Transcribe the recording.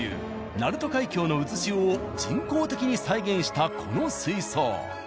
鳴門海峡の渦潮を人工的に再現したこの水槽。